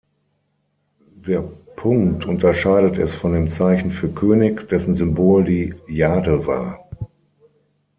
Der Punkt unterscheidet es von dem Zeichen für „König“, dessen Symbol die Jade war.